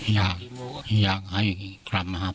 อยากหาอย่างนี้กลับมาหาพ่อ